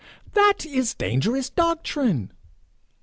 'That is a dangerous doctrine!'